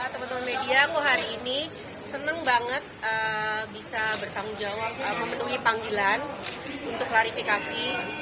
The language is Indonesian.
teman teman media aku hari ini senang banget bisa bertanggung jawab memenuhi panggilan untuk klarifikasi